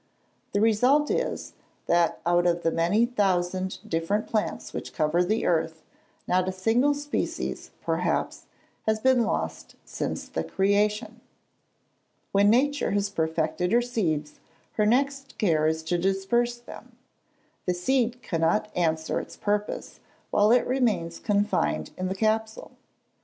The result is, that out of the many thousand different plants which cover the earth, not a single species, perhaps, has been lost since the creation. When nature has perfected her seeds, her next care is to disperse them. The seed cannot answer its purpose, while it remains confined in the capsule.